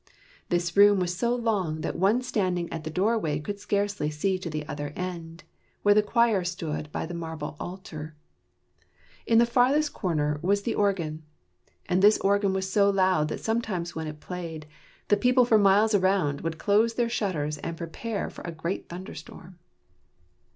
This room was so long that one standing at the doorway could scarcely see to the other end, where the choir stood by the marble altar. In the farthest comer was the organ; and this organ was so loud that sometimes when it played, the people for miles around would close their shutters and prepare for a great thunder storm.